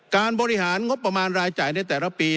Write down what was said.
การบริหารงบประมาณรายจ่ายในแต่ละปี